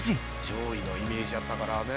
上位のイメージあったからね。